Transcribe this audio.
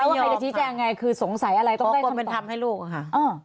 ไม่ยอมค่ะว่าใครจะชี้แจงไงคือสงสัยอะไรต้องได้คำตอบเพราะกลเป็นทำให้ลูกอะค่ะ